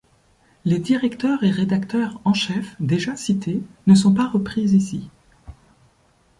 Les directeurs et rédacteurs en chef, déjà cités, ne sont pas repris ici.